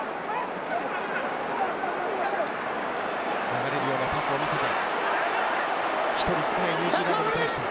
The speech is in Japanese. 流れるようなパスを見せました。